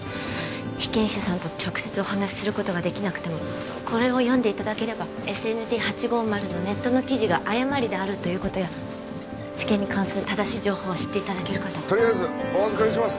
被験者さんと直接お話しすることができなくてもこれを読んでいただければＳＮＤ８５０のネットの記事が誤りであるということや治験に関する正しい情報を知っていただけるかととりあえずお預かりします